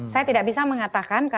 saya tidak bisa mengatakan